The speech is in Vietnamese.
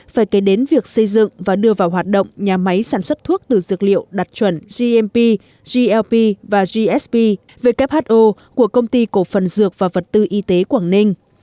phải kể đến việc xây dựng và đưa vào hoạt động nhà máy sản xuất thuốc từ dược liệu đặt chuẩn gmp glp và gsp who của công ty cổ phần dược và vật tư y tế quảng ninh